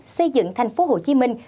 xây dựng thành phố hồ chí minh